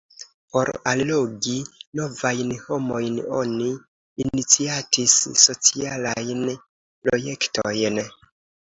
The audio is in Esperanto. Por allogi novajn homojn oni iniciatis socialajn projektojn.